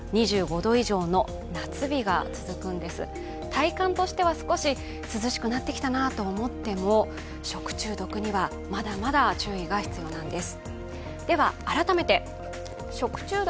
体感としては少し涼しくなってきたなと思っても食中毒にはまだまだ注意が必要なんです。